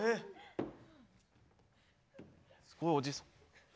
すごいおじいさん。